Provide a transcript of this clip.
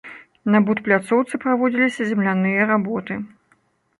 На будпляцоўцы праводзіліся земляныя работы.